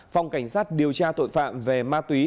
phòng cảnh sát điều tra tội phạm về ma túy